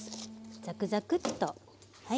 ザクザクッとはい。